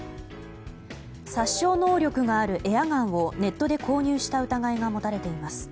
殺傷能力があるエアガンをネットで購入した疑いが持たれています。